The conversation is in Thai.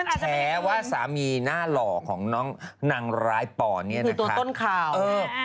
แชว่าสามีหน้าหล่อของนางรายป่อนเนี่ยนะครับ